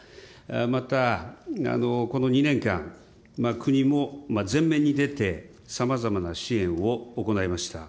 また、この２年間、国も前面に出て、さまざまな支援を行いました。